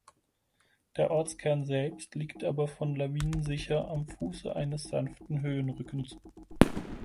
Der Ortskern selbst liegt aber vor Lawinen sicher am Fusse eines sanften Höhenrückens.